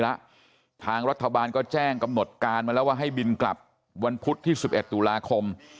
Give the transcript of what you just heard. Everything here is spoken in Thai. แล้วทางรัฐบาลก็แจ้งกำหนดการมาแล้วว่าให้บินกลับวันพุธที่๑๑ตุลาคม